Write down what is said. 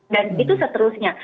dan itu seterusnya